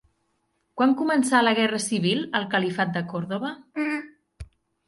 Quan començà la guerra civil al califat de Còrdova?